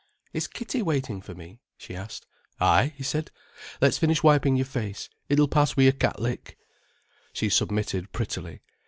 "Is Kitty waiting for me?" she asked. "Ay," he said. "Let's finish wiping your face—it'll pass wi' a cat lick." She submitted prettily.